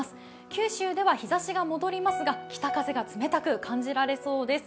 九州では日ざしが戻りますが、北風が冷たく感じられそうです。